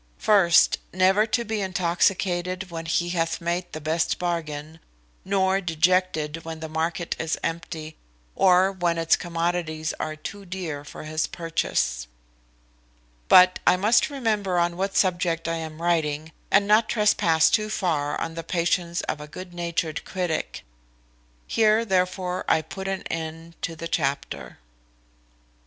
First, never to be intoxicated when he hath made the best bargain, nor dejected when the market is empty, or when its commodities are too dear for his purchase. But I must remember on what subject I am writing, and not trespass too far on the patience of a good natured critic. Here, therefore, I put an end to the chapter.